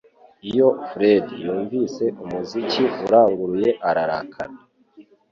Iyo Fred yumvise umuziki uranguruye ararakara